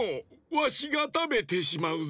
わしがたべてしまうぞ。